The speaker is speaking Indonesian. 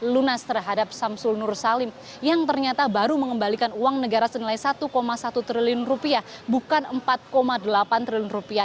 lunas terhadap samsul nur salim yang ternyata baru mengembalikan uang negara senilai satu satu triliun rupiah bukan empat delapan triliun rupiah